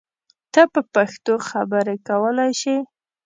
ته په پښتو خبری کولای شی!